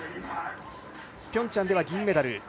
ピョンチャンでは銀メダル。